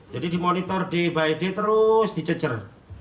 jadi dimonitor dibayar terus dicecer